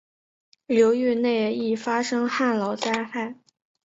流域内易发生旱涝灾害。